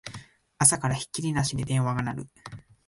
朝からひっきりなしに電話が鳴る